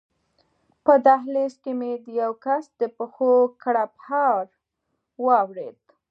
په دهلېز کې مې د یوه کس د پښو کړپهار واورېد.